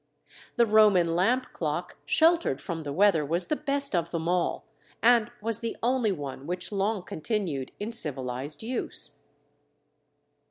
The Roman lamp clock sheltered from the weather was the best of them all, and was the only one which long continued in civilized use.